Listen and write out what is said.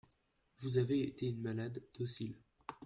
Vous avez été une malade docile.